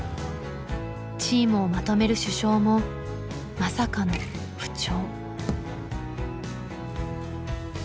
チームをまとめる主将もまさかの不調。